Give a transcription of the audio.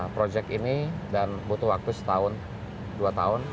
proyek ini dan butuh waktu setahun dua tahun